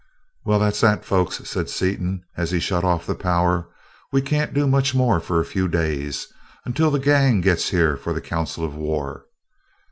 "Well, that's that, folks," said Seaton as he shut off the power. "We can't do much more for a few days, until the gang gets here for the council of war.